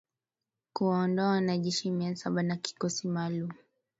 kuwaondoa wanajeshi mia saba wa kikosi maalum